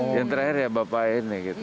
yang terakhir ya bapak ini gitu